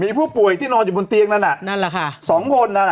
มีผู้ป่วยที่นอนอยู่บนเตียงนั้นอ่ะนั่นแหละค่ะสองคนนั้นอ่ะ